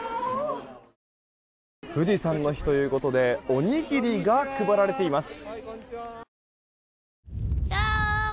富士山の日ということでおにぎりが配られています。